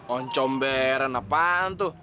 oncomberan apaan tuh